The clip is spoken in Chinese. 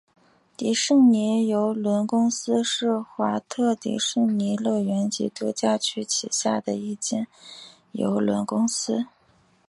迪士尼邮轮公司是华特迪士尼乐园及度假区旗下的一间邮轮公司。